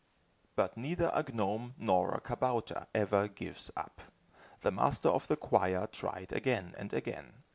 But neither a gnome nor a kabouter ever gives up. The master of the choir tried again and again.